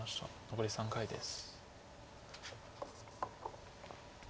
残り３回です。